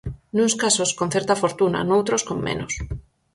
Nuns casos con certa fortuna, noutros con menos.